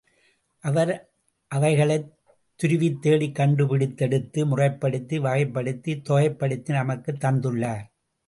அவர் அவைகளைத் துருவித்தேடிக் கண்டுபிடித்து எடுத்து, முறைப்படுத்தி, வகைப்படுத்தி, தொகைப்படுத்தி நமக்குத் தந்துள்ளார்.